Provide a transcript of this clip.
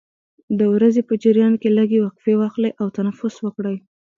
د ورځې په جریان کې لږې وقفې واخلئ او تنفس وکړئ.